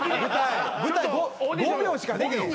舞台５秒しかできへん。